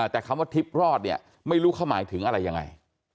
แต่คำว่าทิพย์รอดเนี่ยไม่รู้เขาหมายถึงอะไรยังไง